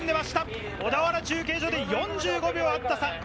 小田原中継所で４５秒あった差。